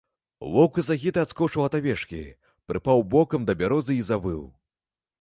Воўк з агідай адскочыў ад авечкі, прыпаў бокам да бярозы і завыў.